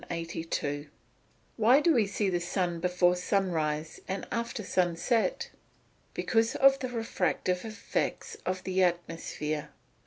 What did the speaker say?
Why do we see the sun before sunrise, and after sunset? Because of the refractive effects of the atmosphere.